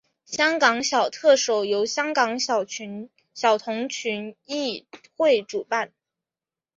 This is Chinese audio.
香港小特首由香港小童群益会主办。